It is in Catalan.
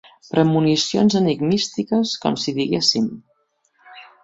Premonicions enigmístiques, com si diguéssim.